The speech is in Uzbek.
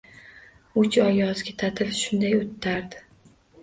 Uch oy yozgi ta’til shunday o‘tardi